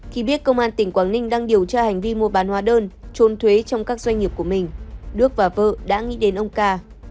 khi biết công an tỉnh quảng ninh đang điều tra hành vi mua bán hóa đơn trốn thuế trong các doanh nghiệp của mình đức và vợ đã nghĩ đến ông ca